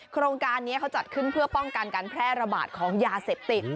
โครงการนี้เขาจัดขึ้นเพื่อป้องกันการแพร่ระบาดของยาเสพติด